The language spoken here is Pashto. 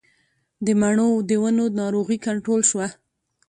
د مڼو د ونو ناروغي کنټرول شوه؟